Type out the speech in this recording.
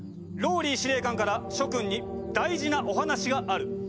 ＲＯＬＬＹ司令官から諸君に大事なお話がある！